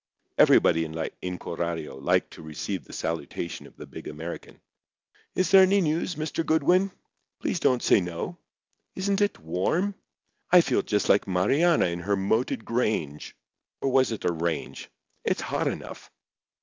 Everybody in Coralio liked to receive the salutation of the big American. "Is there any news, Mr. Goodwin? Please don't say no. Isn't it warm? I feel just like Mariana in her moated grange—or was it a range?—it's hot enough."